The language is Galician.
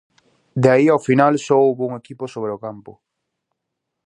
De aí ao final só houbo un equipo sobre o campo.